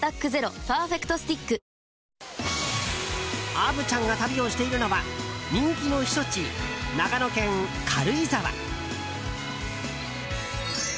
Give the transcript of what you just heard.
虻ちゃんが旅をしているのは人気の避暑地、長野県軽井沢。